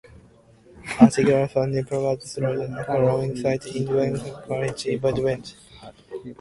A sequel was funded partly through crowdfunding site Indiegogo and is currently in development.